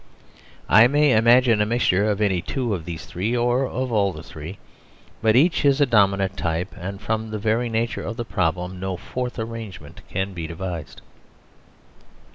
I may imagine a mixture of any two of these three or of all the three, but each is a dominant type, and from the very nature of the problem no fourth ar rangement can be devised.